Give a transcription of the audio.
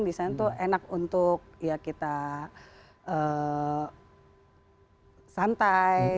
di sana tuh enak untuk ya kita santai